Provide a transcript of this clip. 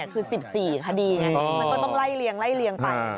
คือ๑๔คดีมันก็ต้องไล่เลี้ยงไป